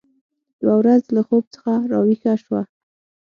یوه ورځ له خوب څخه راویښه شوه